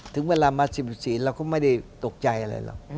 ถึงเวลามา๑๔เราก็ไม่ได้ตกใจอะไรหรอก